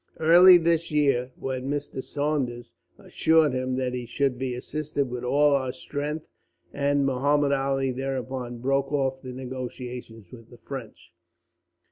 Early this year, then, Mr. Saunders assured him that he should be assisted with all our strength, and Muhammud Ali thereupon broke off the negotiations with the French.